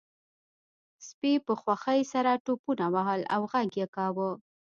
سپي په خوښۍ سره ټوپونه وهل او غږ یې کاوه